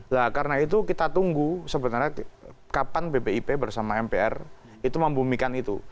nah karena itu kita tunggu sebenarnya kapan bpip bersama mpr itu membumikan itu